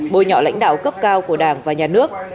bồi nhỏ lãnh đạo cấp cao của đảng và nhà nước